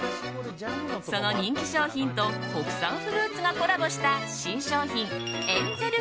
その人気商品と国産フルーツがコラボした新商品エンゼル